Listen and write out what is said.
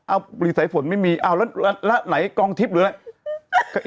อ้าวบุหรี่สายฝนไม่มีอ้าวแล้วไหนกล้องทิศหรืออะไร